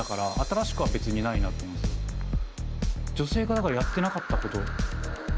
女性がだからやってなかったこと。